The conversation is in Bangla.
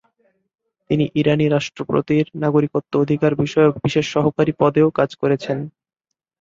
তিনি ইরানি রাষ্ট্রপতির নাগরিকত্ব অধিকার বিষয়ক বিশেষ সহকারী পদেও কাজ করেছেন।